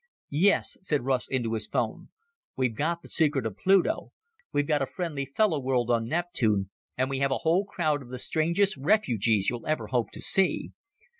"Yes," said Russ into his phone, "we've got the secret of Pluto, we've got a friendly, fellow world on Neptune, and we have a whole crowd of the strangest refugees you'll ever hope to see.